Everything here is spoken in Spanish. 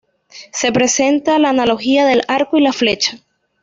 Se presenta la analogía del arco y la flecha.